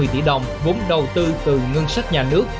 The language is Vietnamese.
năm trăm năm mươi tỷ đồng vốn đầu tư từ ngân sách nhà nước